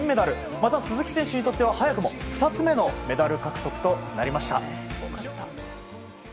また、鈴木選手にとっては早くも２つ目のメダル獲得となりました。